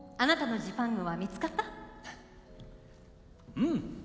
うん。